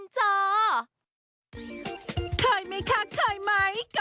เจ้าแจ๊ะริมเจ้า